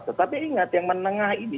tetapi ingat yang menengah ini